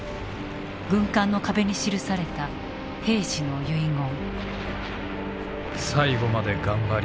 軍艦の壁に記された兵士の遺言。